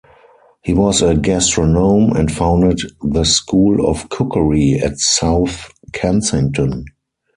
He was a gastronome, and founded the School of Cookery at South Kensington.